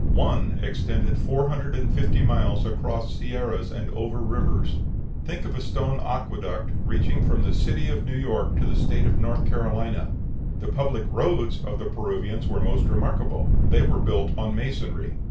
One extended four hundred and fifty miles across sierras and over rivers. Think of a stone aqueduct reaching from the city of New York to the State of North Carolina! The public roads of the Peruvians were most remarkable; they were built on masonry.